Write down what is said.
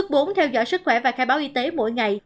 cấp bốn theo dõi sức khỏe và khai báo y tế mỗi ngày